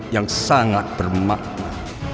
yang sangat bermakna